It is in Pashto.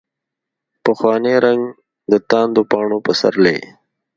پخوانی رنګ، دتاندو پاڼو پسرلي